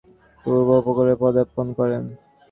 তিনি প্রথম অস্ট্রেলিয়া মহাদেশের পূর্ব উপকূলে পদার্পণ করেন।